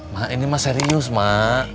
mak ini mah serius mak